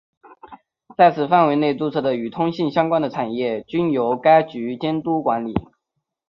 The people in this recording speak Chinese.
在此范围内注册的与通信相关的产业均由该局监督管理。